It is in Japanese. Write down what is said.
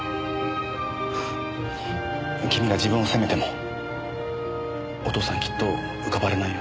君が自分を責めてもお父さんきっと浮かばれないよ。